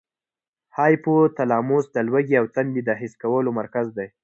هایپو تلاموس د لوږې او تندې د حس کولو مرکز دی.